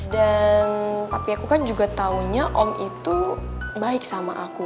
dan papi aku kan juga taunya om itu baik sama aku